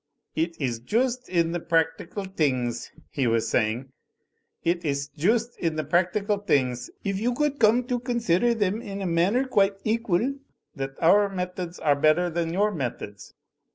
"It iss joost in the practical tings,*' he was sa)ring, it iss joost in the practical tings, if you could come to consider them in a manner quite equal, that our meth ods are better than your methods.